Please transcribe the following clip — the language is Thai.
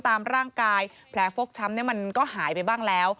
ตามร่างกายแผลฟกช้ำมันก็หายไปบ้างแล้ว